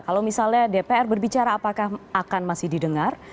kalau misalnya dpr berbicara apakah akan masih didengar